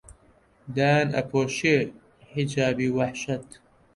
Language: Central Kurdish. دایان ئەپۆشێ حیجابی وەحشەت